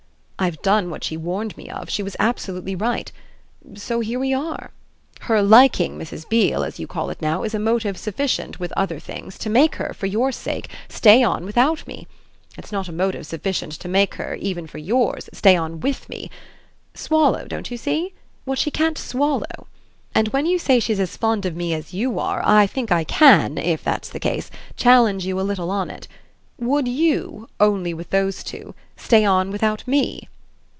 I've done what she warned me of she was absolutely right. So here we are. Her liking Mrs. Beale, as you call it now, is a motive sufficient, with other things, to make her, for your sake, stay on without me; it's not a motive sufficient to make her, even for yours, stay on WITH me swallow, don't you see? what she can't swallow. And when you say she's as fond of me as you are I think I can, if that's the case, challenge you a little on it. Would YOU, only with those two, stay on without me?"